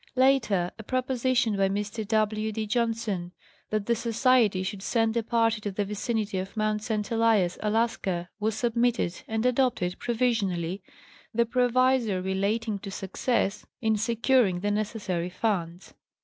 Later a proposition by Mr. W. D. Johnson that the Society should send a party to the vicinity of Mt. St. Elias, Alaska, was sub mitted and adopted provisionally, the proviso relating to success in securing the necessary funds.